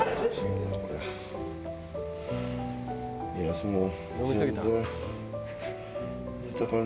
休もう。